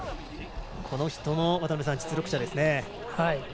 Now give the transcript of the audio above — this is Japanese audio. この人も実力者です。